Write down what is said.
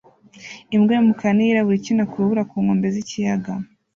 Imbwa y'umukara n'iyirabura ikina ku rubura ku nkombe z'ikiyaga